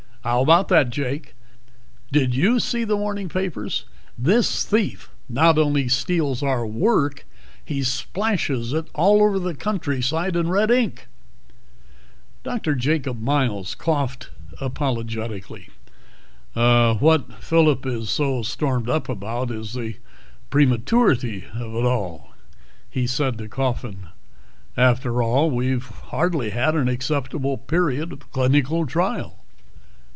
"How about that, Jake? Did you see the morning papers? This thief not only steals our work, he splashes it all over the countryside in red ink." Dr. Jacob Miles coughed apologetically. "What Phillip is so stormed up about is the prematurity of it all," he said to Coffin. "After all, we've hardly had an acceptable period of clinical trial."